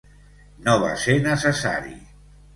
No va ser necessari.